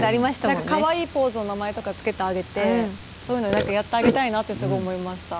何かかわいいポーズの名前とか付けてあげてそういうの何かやってあげたいなってすごい思いました。